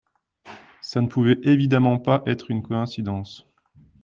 Ça ne pouvait évidemment pas être une coïncidence.